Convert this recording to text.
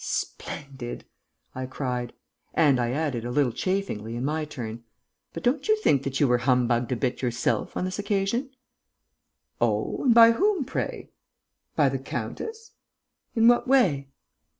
"Splendid!" I cried. And I added, a little chaffingly, in my turn, "But don't you think that you were humbugged a bit yourself, on this occasion?" "Oh! And by whom, pray?" "By the countess?" "In what way?"